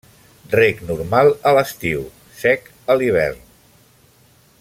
Reg normal a l'estiu, sec a l'hivern.